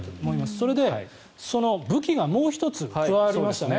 それで、武器がもう１つ加わりましたね。